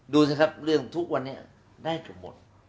ดูสิครับเรื่องทุกวันนี้ได้เกือบหมด